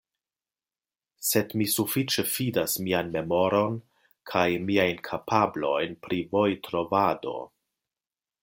Sed mi sufiĉe fidas mian memoron kaj miajn kapablojn pri vojtrovado.